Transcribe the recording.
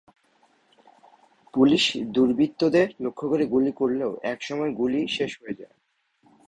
Police দুর্বৃত্তদের লক্ষ্য করে গুলি করলেও একসময় গুলি শেষ হয়ে যায়।